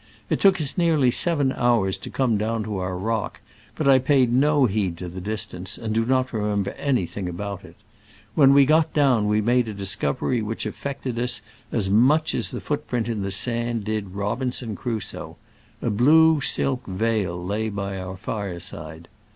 It took us nearly seven hours to come down to our rock, but I paid no heed to the distance, and do not remember anything about it. When we got down we made a discov ery which affected us as much as the footprint in the sand did Robinson Crusoe : a blue silk veil lay by our fire side.